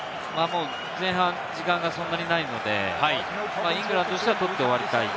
前半、時間がそんなにないので、イングランドとしては取って終わりたい。